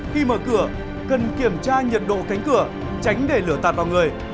khi mở cửa cần kiểm tra nhiệt độ cánh cửa tránh để lửa tạt vào người